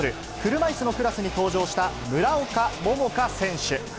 車いすのクラスに登場した村岡桃佳選手。